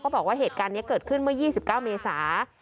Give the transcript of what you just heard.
บอกว่าเหตุการณ์นี้เกิดขึ้นเมื่อ๒๙เมษา